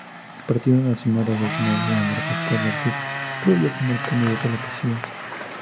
El Partido Nacional Revolucionario nombró a Pascual Ortiz Rubio como candidato a la presidencia.